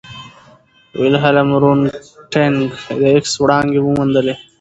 ویلهلم رونټګن د ایکس وړانګې وموندلې.